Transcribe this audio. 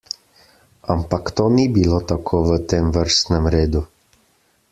Ampak to ni bilo tako v tem vrstnem redu.